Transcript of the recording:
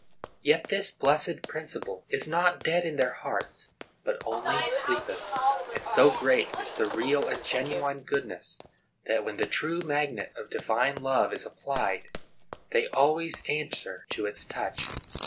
Yet this blessed principle is not dead in their hearts, but only sleepeth; and so great is the real and genuine goodness, that, when the true magnet of divine love is applied, they always answer to its touch.